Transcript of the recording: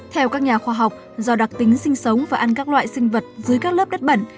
theo các nhà khoa học do đặc tính sinh sống và ăn các loại sinh vật dưới các lớp đất bẩn